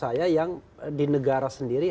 saya yang di negara sendiri